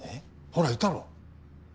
ほらいたろ？